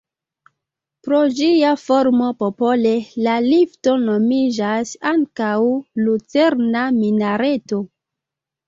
Pro ĝia formo popole la lifto nomiĝas ankaŭ Lucerna Minareto.